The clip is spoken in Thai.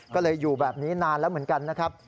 ก็เลยอยู่แบบนี้นานแล้วเหมือนกันนะครับ